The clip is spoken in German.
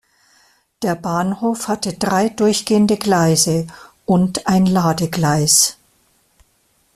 Der Bahnhof hatte drei durchgehende Gleise und ein Ladegleis.